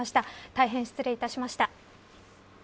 大変失礼いたしました。